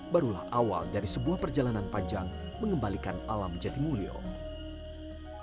barulah awal dari sebuah perjalanan panjang mengembalikan alam jatimulyo